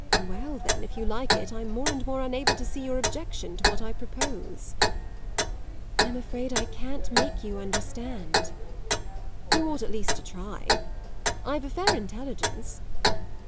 "Well then, if you like it, I'm more and more unable to see your objection to what I propose." "I'm afraid I can't make you understand." "You ought at least to try. I've a fair intelligence.